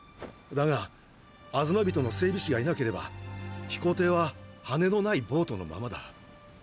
だがアズマビトの整備士がいなければ飛行艇は羽のないボートのままだ。